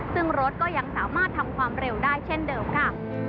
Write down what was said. ซึ่งรถก็ยังสามารถทำความเร็วได้เช่นเดิมค่ะ